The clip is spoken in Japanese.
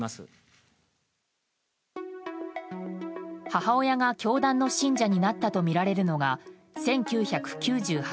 母親が教団の信者になったとみられるのが１９９８年。